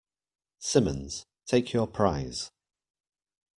Simmons, take your prize.